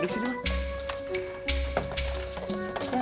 duduk sini ma